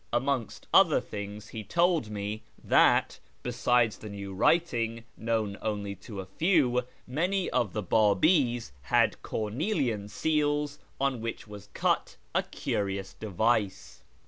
Amongst other things he told me that, besides the new writing (known only to a few), many of the Babis had cornelian seals on which was cut a curious device.